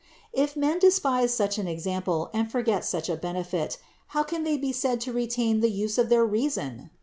If men despise such an example and forget such a benefit, how can they be said to retain the use of their reason?